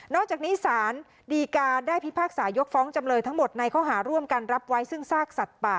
จากนี้สารดีการได้พิพากษายกฟ้องจำเลยทั้งหมดในข้อหาร่วมกันรับไว้ซึ่งซากสัตว์ป่า